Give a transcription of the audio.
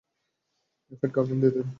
Graphite carbon দিয়ে তৈরি।